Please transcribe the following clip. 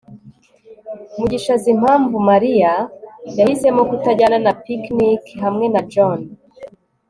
mugisha azi impamvu mariya yahisemo kutajyana na picnic hamwe na john